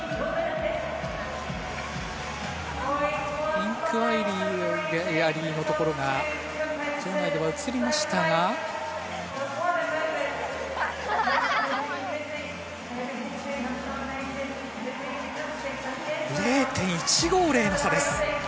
インクワイアリーのところが場内に映りましたが、０．１５０の差です。